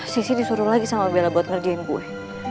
sisi disuruh lagi sama bella buat ngerjain gue